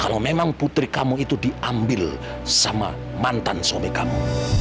kalau memang putri kamu itu diambil sama mantan suami kamu